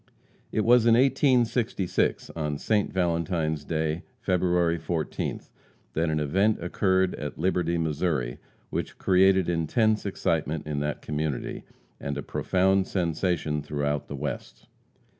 It was in 1866, on St. Valentine's day, February 14th, that an event occurred at Liberty, Missouri, which created intense excitement in that community, and a profound sensation throughout the West.